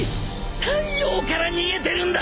太陽から逃げてるんだ！